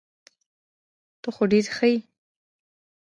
ته خو ډير ښه يي .